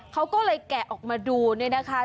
เขาก็เลยแกะออกมาดูเนี่ยนะคะ